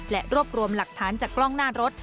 และรวบรวมหลักฐานจากกล้องหน้ารถ